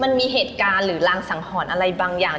มันมีเหตุการณ์หรือรางสังหรณ์อะไรบางอย่าง